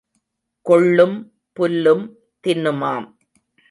கொள்ளும் புல்லும் தின்னுமாம்.